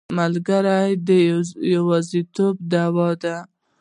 ملګری د یوازیتوب دوا ده.